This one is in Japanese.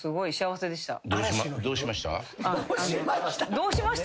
「どうしました？」